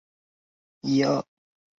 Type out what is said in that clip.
不过就是有及时完成梦想的能力